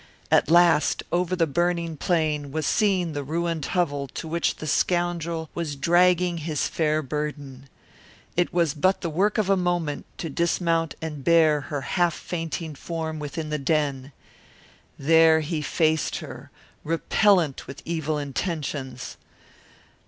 At last over the burning plain was seen the ruined hovel to which the scoundrel was dragging his fair burden. It was but the work of a moment to dismount and bear her half fainting form within the den. There he faced her, repellent with evil intentions.